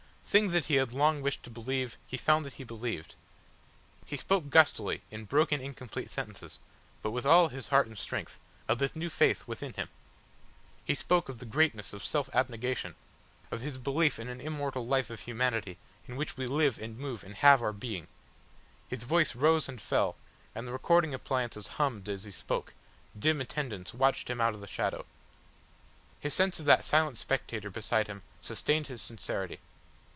Things that he had long wished to believe, he found that he believed. He spoke gustily, in broken incomplete sentences, but with all his heart and strength, of this new faith within him. He spoke of the greatness of self abnegation, of his belief in an immortal life of Humanity in which we live and move and have our being. His voice rose and fell, and the recording appliances hummed as he spoke, dim attendants watched him out of the shadow.... His sense of that silent spectator beside him sustained his sincerity.